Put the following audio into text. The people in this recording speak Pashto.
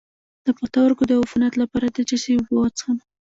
د پښتورګو د عفونت لپاره د څه شي اوبه وڅښم؟